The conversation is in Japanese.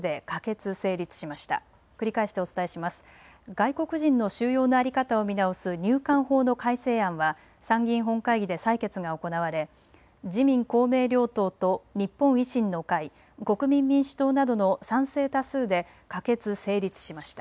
外国人の収容の在り方を見直す入管法の改正案は参議院本会議で採決が行われ自民公明両党と日本維新の会、国民民主党などの賛成多数で可決・成立しました。